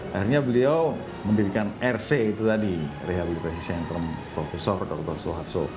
akhirnya beliau mendirikan rc itu tadi rehabilitasi sentrum prof dr soeharto